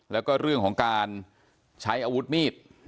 แล้วก็เรื่องของการใช้อาวุธมีด